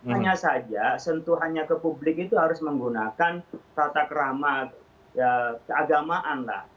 hanya saja sentuhannya ke publik itu harus menggunakan tata keramat keagamaan lah